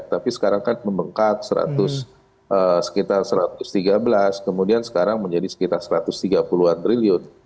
tapi sekarang kan membengkak sekitar satu ratus tiga belas kemudian sekarang menjadi sekitar satu ratus tiga puluh an triliun